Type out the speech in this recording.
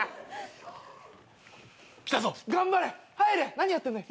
何やってんだよ。